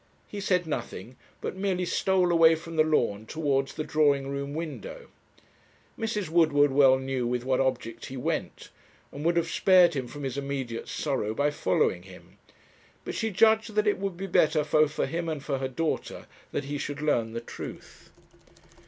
He said nothing, but merely stole away from the lawn towards the drawing room window. Mrs. Woodward well knew with what object he went, and would have spared him from his immediate sorrow by following him; but she judged that it would be better both for him and for her daughter that he should learn the truth.